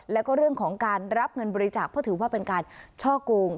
แล้วก็เรื่องของการรับเงินบริจาคเพราะถือว่าเป็นการช่อกง